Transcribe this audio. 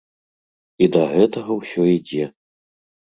І да гэтага ўсё ідзе.